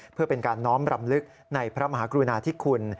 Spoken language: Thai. เพื่อเป็นการน้อมรำลึกในพระมหากรุณาธิคุณ